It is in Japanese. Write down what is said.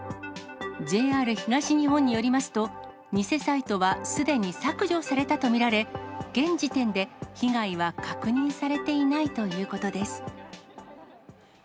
ＪＲ東日本によりますと、偽サイトはすでに削除されたと見られ、現時点で被害は確認されていないということです。